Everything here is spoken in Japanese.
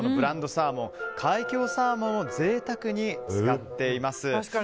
サーモン海峡サーモンをぜいたくに使っています。